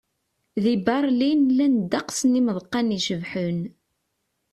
Di Berlin, llan ddeqs n yimeḍqan icebḥen.